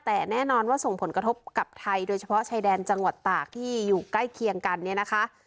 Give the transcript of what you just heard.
แต่แน่นอนว่าส่งผลกระทบกับไทยโดยเฉพาะชายแดนจังหวัดตากที่อยู่ใกล้เคียงกันเนี่ยนะคะ